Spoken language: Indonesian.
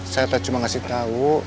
saya teh cuma ngasih tau